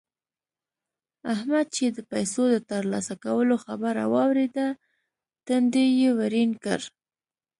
احمد چې د پيسو د تر لاسه کولو خبره واورېده؛ تندی يې ورين کړ.